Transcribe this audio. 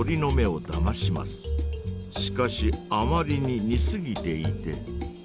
しかしあまりに似すぎていて。